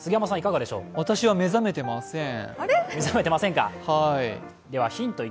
私は目覚めてません。